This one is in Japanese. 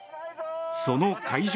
その会場